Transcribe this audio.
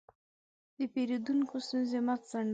د پیرودونکو ستونزې مه ځنډوئ.